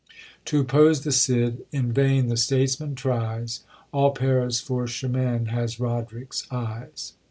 "To oppose the Cid, in vain the statesman tries; All Paris, for Chimene, has Roderick's eyes."